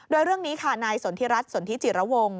โดยเรื่องนี้ค่ะนายสนทิรัฐสนทิจิระวง